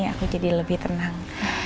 aku jadi lebih tenang